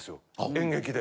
演劇で。